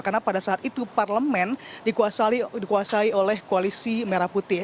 karena pada saat itu parlemen dikuasai oleh koalisi merah putih